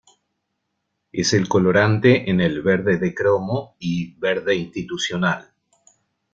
Es el colorante en el "verde de cromo" y "verde institucional".